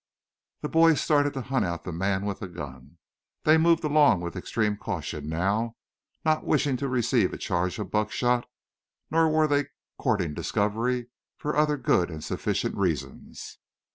The boys started to hunt out the man with the gun. They moved along with extreme caution now, not wishing to receive a charge of buckshot, nor were they courting discovery, for other good and sufficient reasons.